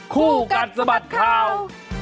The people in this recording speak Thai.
คู่กัดสะบัดข่าว